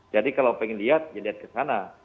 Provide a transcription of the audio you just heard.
jadi kalau pengen lihat dilihat ke sana